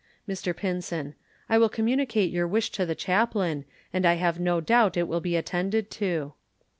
Mr Pinson: I will communicate your wish to the chaplain, and I have no doubt it will be attended to.